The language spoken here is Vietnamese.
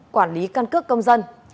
quản lý căn cước công dân